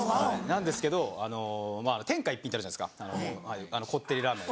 なんですけど天下一品ってあるじゃないですかこってりラーメン。